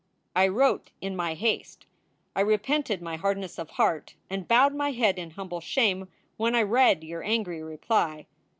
I wrote in my haste. I repented my hardness of heart and bowed my head in humble shame when I read your angry reply.